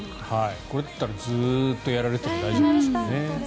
これだったらずっとやられても大丈夫です。